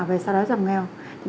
về xã đấu dòng nghèo